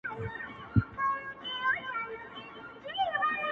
o اصلي ريښه په ټولنيز چاپېريال ناموسي دودونو او وېرو کي پټه پرته ده,